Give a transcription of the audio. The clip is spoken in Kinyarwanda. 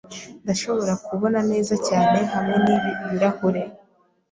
Ndashobora kubona neza cyane hamwe nibi birahure.